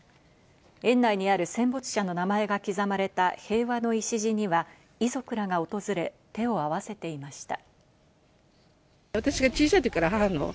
園内にある戦没者の名前が刻まれた平和の礎には遺族らが訪れ、手を合わせていました。